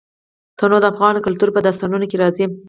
تنوع د افغان کلتور په داستانونو کې راځي.